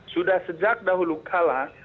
sudah sejak dahulu kala